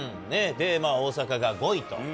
大阪が５位と。